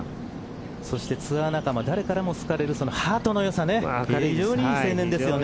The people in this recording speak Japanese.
そしてツアー仲間誰からも好かれるハートのよさ非常にいい青年ですよね。